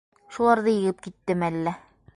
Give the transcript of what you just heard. Шуларҙы егеп киттеме әллә?!